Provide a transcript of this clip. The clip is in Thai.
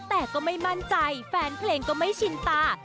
แต่ก็ไม่มั่นใจแฟนเพลงก็ไม่ชินตา